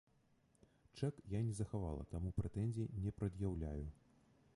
Чэк я не захавала, таму прэтэнзій не прад'яўляю.